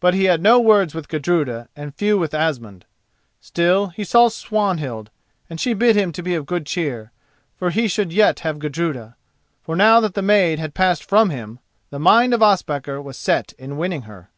But he had no words with Gudruda and few with Asmund. Still, he saw Swanhild, and she bid him to be of good cheer, for he should yet have Gudruda. For now that the maid had passed from him the mind of Ospakar was set in winning her.